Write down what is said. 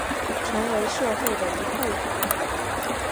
成为社会的一部分